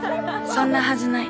そんなはずない。